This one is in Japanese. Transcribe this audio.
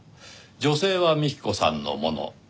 女性は幹子さんのもの。